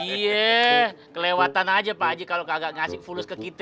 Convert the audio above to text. iya kelewatan aja pak haji kalau kagak ngasih fulus ke kita